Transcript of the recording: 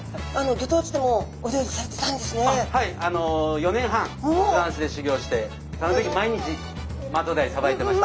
４年半フランスで修業してあの時毎日マトウダイさばいてました。